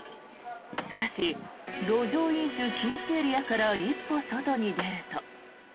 しかし、路上飲酒禁止エリアから一歩外に出ると。